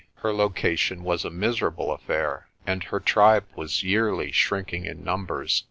Her location was a miserable affair, and her tribe was yearly shrinking in numbers.